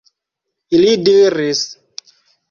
Ili diris: